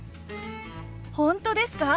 本当ですか？